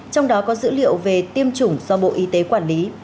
trong đó có dữ liệu về tiêm chủng do bộ y tế quản lý